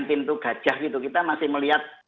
pintu gajah gitu kita masih melihat